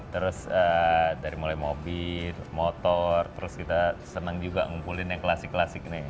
terus dari mulai mobil motor terus kita senang juga ngumpulin yang klasik klasik nih